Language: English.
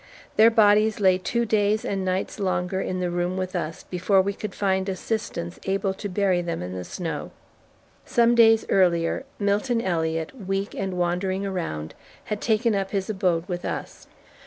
Their bodies lay two days and nights longer in the room with us before we could find assistance able to bury them in the snow. Some days earlier Milton Elliot, weak and wandering around, had taken up his abode with us.